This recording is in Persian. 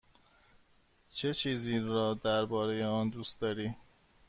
چه چیز را درباره آن دوست داری؟